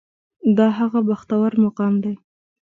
دا هغه بختور مقام دی.